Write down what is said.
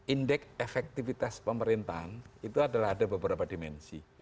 indeks efektivitas pemerintahan itu adalah ada beberapa dimensi